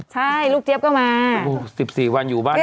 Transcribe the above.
ใช่ลูกเจี๊ยบก็มาอู้สิบสี่วันอยู่บ้าน